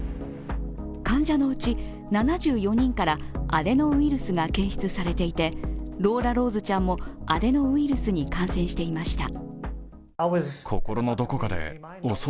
患者のうち７４人からアデノウイルスが検出されていてローラローズちゃんもアデノウイルスに感染していました。